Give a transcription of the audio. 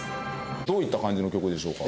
どういった感じの曲でしょうか？